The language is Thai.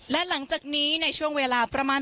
และหลังจากนี้ในช่วงเวลาประมาณ